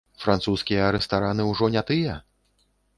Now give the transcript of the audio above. Французскія рэстараны ўжо не тыя?